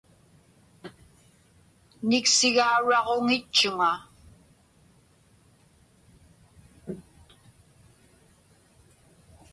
Niksigauraġuŋitchuŋa.